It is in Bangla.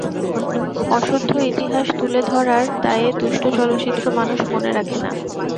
অশুদ্ধ ইতিহাস তুলে ধরার দায়ে দুষ্ট চলচ্চিত্র মানুষ মনে রাখে না।